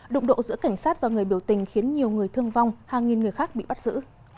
đụng độ giữa cảnh sát và người biểu tình khiến nhiều người thương vong hàng nghìn người khác bị bắt giữ